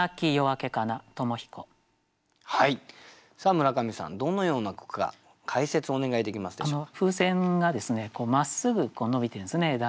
さあ村上さんどのような句か解説お願いできますでしょうか。